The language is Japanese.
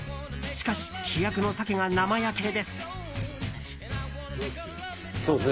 しかし、主役のサケが生焼けです。